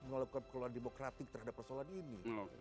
mengelola demokratik terhadap persoalan ini